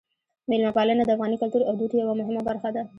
میلمه پالنه د افغاني کلتور او دود یوه مهمه برخه ده.